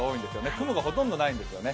雲がほとんどないんですよね。